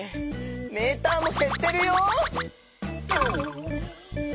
メーターもへってるよ！